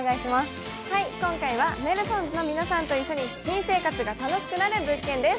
今回はネルソンズの皆さんと一緒に、新生活が楽しくなる物件です。